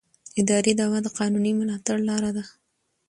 اداري دعوه د قانوني ملاتړ لاره ده.